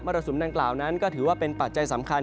รสุมดังกล่าวนั้นก็ถือว่าเป็นปัจจัยสำคัญ